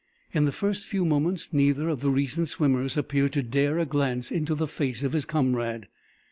In the first few moments neither of the recent swimmers appeared to dare a glance into the face of his comrade.